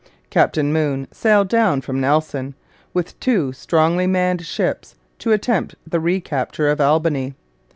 Captain Moon sailed down from Nelson, with two strongly manned ships, to attempt the recapture of Albany.